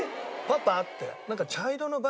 「パパ」って。